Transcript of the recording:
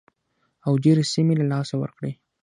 او ډېرې سیمې یې له لاسه ورکړې.